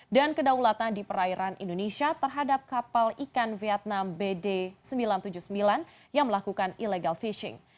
dan kedaulatan di perairan indonesia terhadap kapal ikan vietnam bd sembilan ratus tujuh puluh sembilan yang melakukan illegal fishing